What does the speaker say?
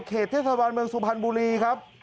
เขตเทพธรรมเมืองสุพรรณบุรีครับ